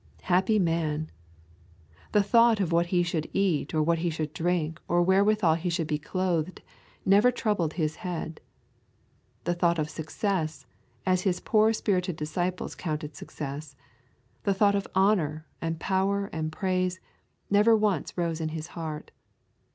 Happy man! The thought of what He should eat or what He should drink or wherewithal He should be clothed never troubled His head. The thought of success, as His poor spirited disciples counted success, the thought of honour and power and praise, never once rose in His heart.